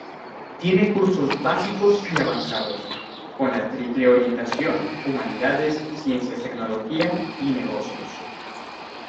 Tiene cursos básicos y avanzados, con la triple orientación Humanidades, Ciencias-Tecnología y Negocios.